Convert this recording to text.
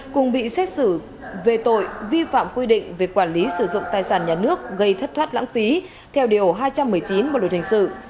cùng bị xét xử về tội vi phạm quy định về quản lý sử dụng tài sản nhà nước gây thất thoát lãng phí theo điều hai trăm một mươi chín bộ luật hình sự